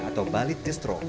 atau balit distro